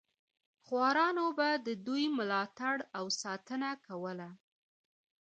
خوارانو به د دوی ملاتړ او ساتنه کوله.